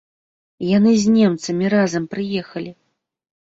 Яны з немцамі разам прыехалі.